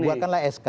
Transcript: ya dibuatkanlah sk